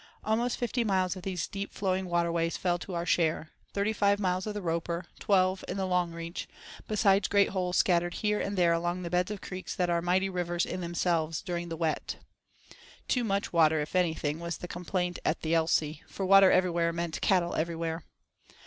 Almost fifty miles of these deep flowing waterways fell to our share; thirty five miles of the Roper, twelve in the Long Reach, besides great holes scattered here and there along the beds of creeks that are mighty rivers in themselves "during the Wet." Too much water, if anything, was the complaint at the Elsey, for water everywhere meant cattle everywhere.